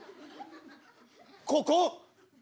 ここ？